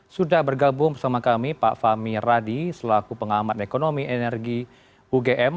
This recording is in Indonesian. sudah bergabung bersama kami pak fahmi radi selaku pengamat ekonomi energi ugm